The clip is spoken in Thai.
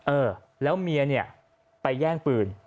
เออแล้วเมียเนี่ยไปแย่งปืน